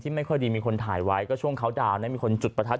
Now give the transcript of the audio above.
ไม่ค่อยดีมีคนถ่ายไว้ก็ช่วงเขาดาวนนั้นมีคนจุดประทัด